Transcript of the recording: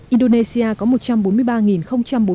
indonesia có một trăm bốn mươi bảy ca mắc covid một mươi chín